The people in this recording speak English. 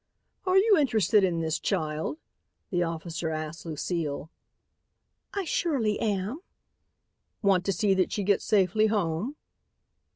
"Are you interested in this child?" the officer asked Lucile. "I surely am." "Want to see that she gets safely home?"